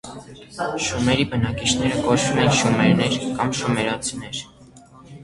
Շումերի բնակիչները կոչվում էին շումերներ կամ շումերացիներ։